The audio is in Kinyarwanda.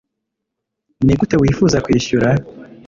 nigute wifuza kwishyura